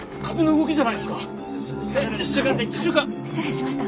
失礼しました。